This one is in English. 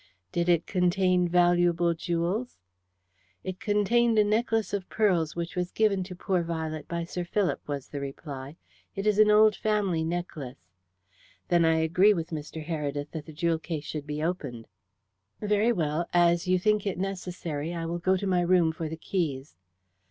"Did it contain valuable jewels?" "It contained a necklace of pearls which was given to poor Violet by Sir Philip," was the reply. "It is an old family necklace." "Then I agree with Mr. Heredith that the jewel case should be opened." "Very well. As you think it necessary, I will go to my room for the keys."